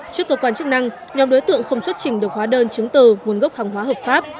trước cơ quan chức năng nhóm đối tượng không xuất trình được hóa đơn chứng từ nguồn gốc hàng hóa hợp pháp